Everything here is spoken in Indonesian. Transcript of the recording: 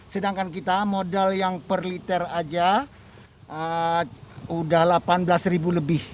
sedangkan kita modal yang per liter aja udah delapan belas ribu lebih